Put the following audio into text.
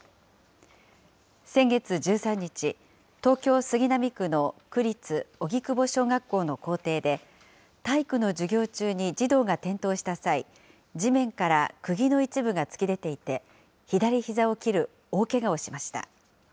先月１３日、東京・杉並区の区立荻窪小学校の校庭で、体育の授業中に児童が転倒した際、地面からくぎの一部が突き出ていて、左ひざを切る大けがをしました。